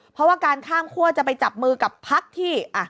เพราะว่าการข้ามคั่วจะไปจับมือกับพักที่